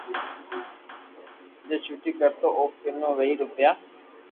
جي چوٽي ڪرتو او ڪنو وھي روپيہ